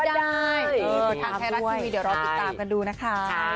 ทางไทรัททีวีเดี๋ยวเราติดตามกันดูนะคะ